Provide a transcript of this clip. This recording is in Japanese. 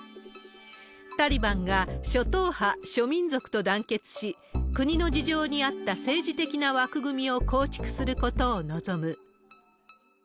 タリバンが諸党派、諸民族と団結し、国の事情に合った政治的な枠組みを構築することを望む。